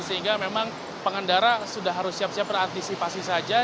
sehingga memang pengendara sudah harus siap siap berantisipasi saja